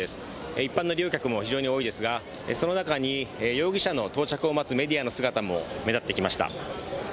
一般の利用客も非常に多いですがその中に容疑者の到着を待つメディアの姿も目立ってきました。